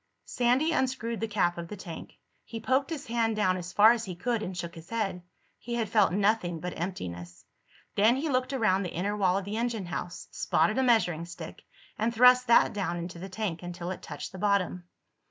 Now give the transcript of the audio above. Sandy unscrewed the cap of the tank. He poked his hand down as far as he could and shook his head. He had felt nothing but emptiness. Then he looked around the inner wall of the engine house, spotted a measuring stick, and thrust that down into the tank until it touched the bottom.